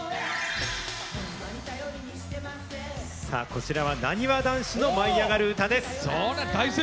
こちらは、なにわ男子の舞いあがる歌です。